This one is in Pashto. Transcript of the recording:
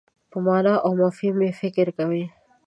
په مانا او مفهوم یې فکر کوي.